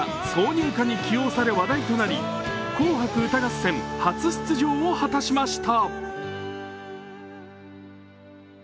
挿入歌に起用され話題となり「紅白歌合戦」初出場を果たしました。